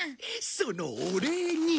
そのお礼に。